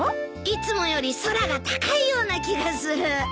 いつもより空が高いような気がする。